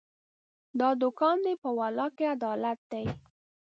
دا دوکان دی، په والله که عدالت دی